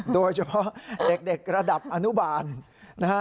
โดยเฉพาะเด็กระดับอนุบาลนะฮะ